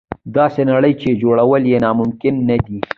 داسې نړۍ چې جوړول یې ناممکن نه دي.